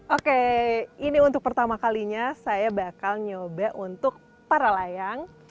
oke ini untuk pertama kalinya saya bakal nyoba untuk para layang